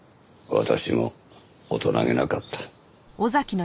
私も大人げなかった。